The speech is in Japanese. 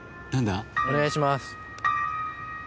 お願いします。